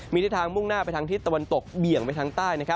มีทิศทางมุ่งหน้าไปทางทิศตะวันตกเบี่ยงไปทางใต้